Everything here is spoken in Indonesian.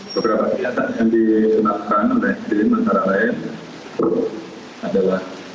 beberapa kegiatan yang dilakukan oleh tim antara lain adalah